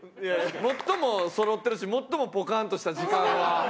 最もそろってるし最もポカンとした時間は。